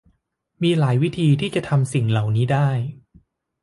มีหลายวิธีที่จะทำสิ่งเหล่านี้ได้